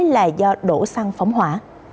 là do đổ xăng phóng hỏa